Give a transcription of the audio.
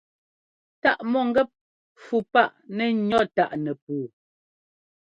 Táʼ mɔ̂ngɛ́p fû páʼ nɛ́ ŋʉ̈ táʼ nɛpuu.